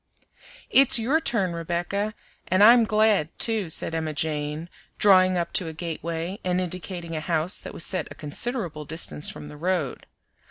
"It's your turn, Rebecca, and I'm glad, too," said Emma Jane, drawing up to a gateway and indicating a house that was set a considerable distance from the road.